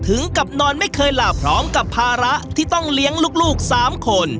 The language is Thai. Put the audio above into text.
ถึงกับนอนไม่เคยหลับพร้อมกับภาระที่ต้องเลี้ยงลูก๓คน